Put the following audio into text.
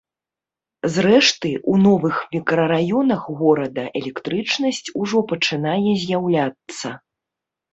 Зрэшты, у новых мікрараёнах горада электрычнасць ужо пачынае з'яўляцца.